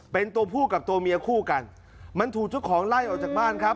เป็นตัวผู้กับตัวเมียคู่กันมันถูกเจ้าของไล่ออกจากบ้านครับ